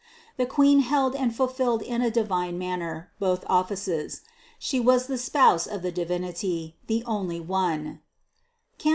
The Queen held and fulfilled in divine manner both offices. She was the Spouse of the Divinity, the only One (Cant.